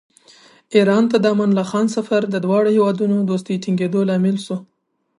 ایران ته د امان الله خان سفر د دواړو هېوادونو دوستۍ ټینګېدو لامل شو.